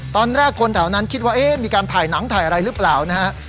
ตอนแรกคนแถวนั้นคิดว่าเอ๊ะมีการถ่ายหนังถ่ายอะไรหรือเปล่านะฮะ